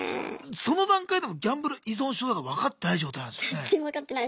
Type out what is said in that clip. その段階でもギャンブル依存症だと分かってない状態なんですよね？